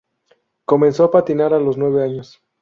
Comenzó a patinar a los nueve años.